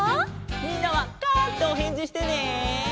みんなは「カァ」っておへんじしてね！